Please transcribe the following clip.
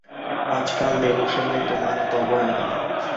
আজকাল দেবসেবায় তোমার এত অবহেলা কেন।